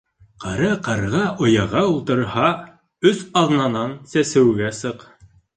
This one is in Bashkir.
Ҡара ҡарға ояға ултырһа, өс аҙнанан сәсеүгә сыҡ.